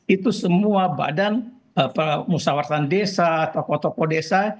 itu semua badan musawaratan desa tokoh tokoh desa